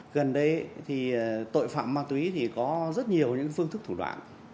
gần đây tội phạm ma túy có rất nhiều phương thức thủ đoạn